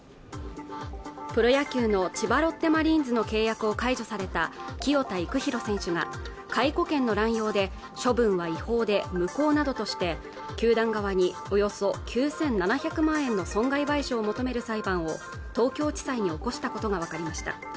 プロ野球の千葉ロッテマリーンズの契約を解除された清田育宏選手が解雇権の濫用で処分は違法で無効などとして球団側におよそ９７００万円の損害賠償を求める裁判を東京地裁に起こしたことが分かりました